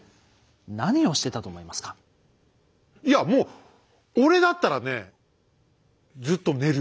いやもう俺だったらねずっと寝る。